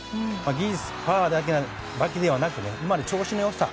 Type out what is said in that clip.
技術、パワーだけではなくて調子の良さ。